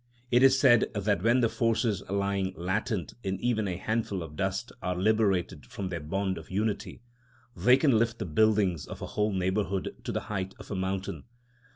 It is said that when the forces lying latent in even a handful of dust are liberated from their bond of unity, they can lift the buildings of a whole neighbourhood to the height of a mountain.